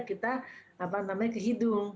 kita ke hidung